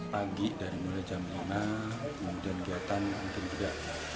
pagi dari mulai jam lima kemudian kegiatan mungkin juga